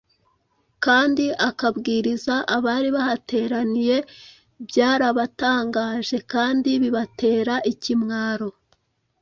kandi akabwiriza abari bahateraniye, byarabatangaje kandi bibatera ikimwaro.